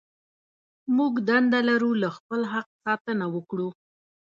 موږ دنده لرو له خپل حق ساتنه وکړو.